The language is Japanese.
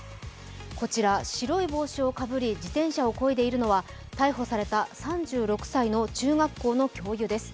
こちら白い帽子をかぶり、自転車をこいでいるのは逮捕された３６歳の中学校の教諭です。